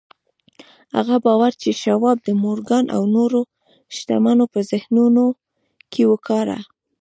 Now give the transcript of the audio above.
هغه باور چې شواب د مورګان او نورو شتمنو په ذهنونو کې وکاره.